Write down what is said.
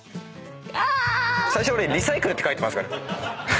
最初俺「リサイクル」って書いてますから。